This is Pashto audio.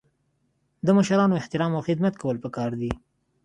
د مشرانو احترام او خدمت کول پکار دي.